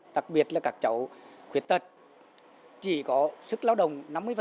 đặc biệt là các cháu khuyết tật chỉ có sức lao động năm mươi